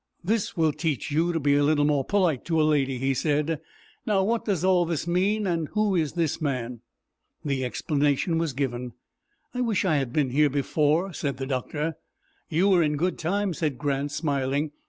"This will teach you to be more polite to a lady," he said. "Now, what does all this mean, and who is this man?" The explanation was given. "I wish I had been here before," said the doctor. "You were in good time," said Grant, smiling.